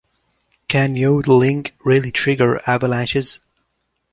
Can yodeling really trigger avalanches?